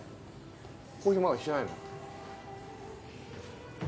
コーヒーまだ来てないの？